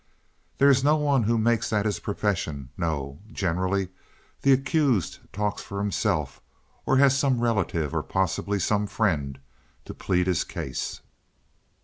"There is no one who makes that his profession, no. Generally the accused talks for himself or has some relative, or possibly some friend to plead his case."